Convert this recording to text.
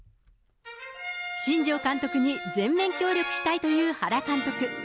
新庄監督に全面協力したいという原監督。